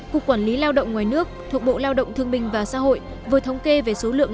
cục quản lý lao động ngoài nước thuộc bộ lao động thương minh và xã hội vừa thống kê về số lượng